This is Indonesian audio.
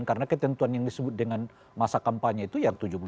karena ketentuan yang disebut dengan masa kampanye itu